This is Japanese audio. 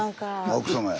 あ奥様や。